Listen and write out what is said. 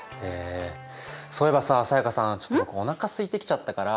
そういえばさ才加さんちょっと僕おなかすいてきちゃったから。